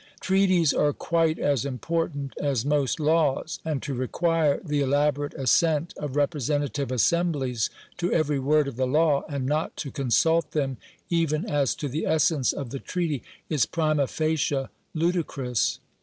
Treaties are quite as important as most laws, and to require the elaborate assent of representative assemblies to every word of the law, and not to consult them even as to the essence of the treaty, is prima facie ludicrous.